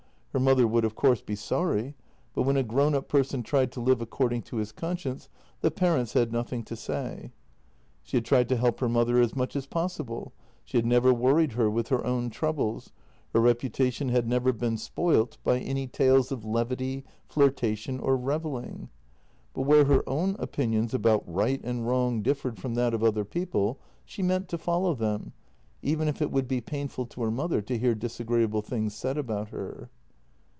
Her mother would, of course, be sorry, but when a grown up person tried to live according to his conscience the parents had nothing to say. She had tried to help her mother as much as possible, she had never worried her with her own troubles, her reputation had never been spoilt by any tales of levity, flirtation, or revelling, but where her own opinions about right and wrong differed JENNY 215 from that of other people, she meant to follow them, even if it would be painful to her mother to hear disagreeable things said about her.